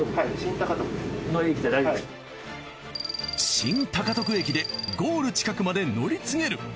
新高徳駅でゴール近くまで乗り継げる。